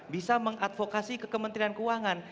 bisa mengadvokasi ke kementerian keuangan